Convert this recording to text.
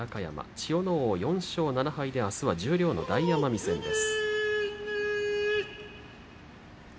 千代ノ皇は４勝７敗であすは十両の大奄美戦です。